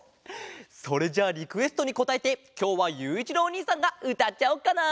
それじゃあリクエストにこたえてきょうはゆういちろうおにいさんがうたっちゃおっかな。